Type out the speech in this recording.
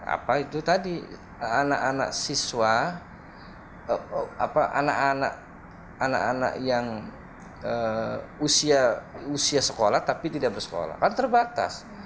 apa itu tadi anak anak siswa anak anak yang usia sekolah tapi tidak bersekolah kan terbatas